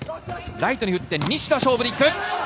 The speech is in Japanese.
ライトに打って西田、勝負にいく。